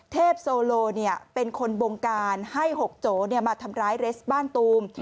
โซโลเป็นคนบงการให้๖โจมาทำร้ายเรสบ้านตูม